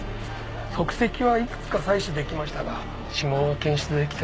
足跡はいくつか採取できましたが指紋は検出できてません。